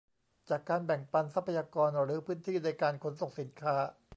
จากการแบ่งปันทรัพยากรหรือพื้นที่ในการขนส่งสินค้า